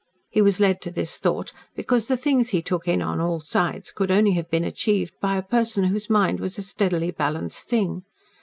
He was led to this thought because the things he took in on all sides could only have been achieved by a person whose mind was a steadily balanced thing.